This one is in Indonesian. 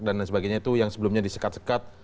dan sebagainya itu yang sebelumnya disekat sekat